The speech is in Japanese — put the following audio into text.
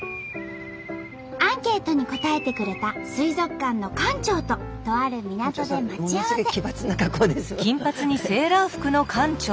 アンケートに答えてくれた水族館の館長ととある港で待ち合わせ。